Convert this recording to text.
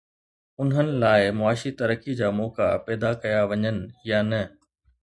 انهن لاءِ معاشي ترقي جا موقعا پيدا ڪيا وڃن يا نه؟